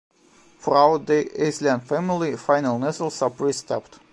Throughout the Aslian family, final nasals are pre-stopped.